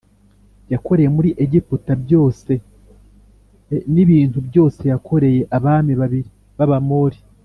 yakoreye muri Egiputa byose e n ibintu byose yakoreye abami babiri b Abamori